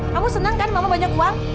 kamu senang kan mama banyak uang